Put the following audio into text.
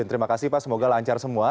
terima kasih pak semoga lancar semua